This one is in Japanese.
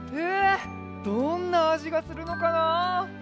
どんなあじがするのかな？